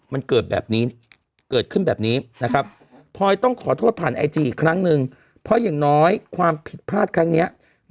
มันเกิดแบบนี้